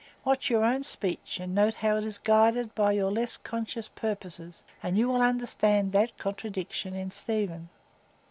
Watch your own speech, and notice how it is guided by your less conscious purposes, and you will understand that contradiction in Stephen.